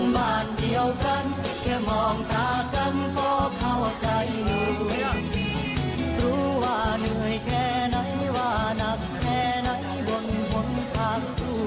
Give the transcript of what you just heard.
ใบหน่อยบ่งบ่งพัก